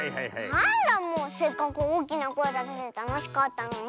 なんだもうせっかくおおきなこえだせてたのしかったのに。